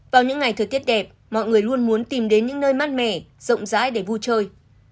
vào những ngày thời tiết đẹp mọi người luôn muốn tìm đến những nơi mát mẻ rộng rãi để vui chơi